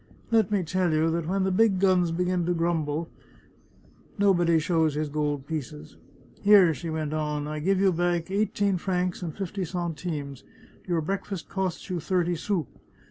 Let me tell you that when the big guns begin to grumble nobody shows his gold pieces. Here," she went on, " I give you back eigh teen francs and fifty centimes ; your breakfast costs you thirty sous.